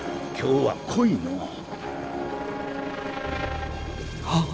今日は濃いのお。